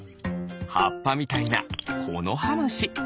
はっぱみたいなコノハムシ。